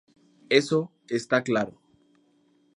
Eso está claro.